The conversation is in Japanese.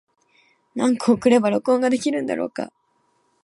何個送れば録音ができるんだろうか。